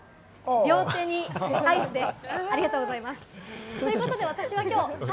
両手にアイスです。